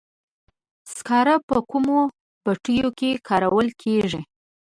سکاره په کومو بټیو کې کارول کیږي؟